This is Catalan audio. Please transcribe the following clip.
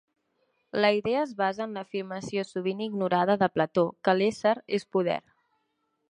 La idea es basa en la afirmació sovint ignorada de Plató que l'ésser és poder.